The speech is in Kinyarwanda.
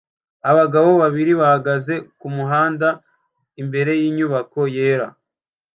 Abagabo babiri bahagaze kumuhanda imbere yinyubako yera